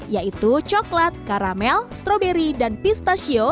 yaitu coklat karamel stroberi dan pistachio